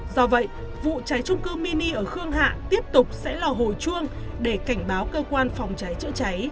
do vậy vụ cháy trung cư mini ở khương hạ tiếp tục sẽ là hồi chuông để cảnh báo cơ quan phòng cháy chữa cháy